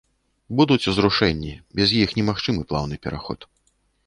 Будуць узрушэнні, без іх немагчымы плаўны пераход.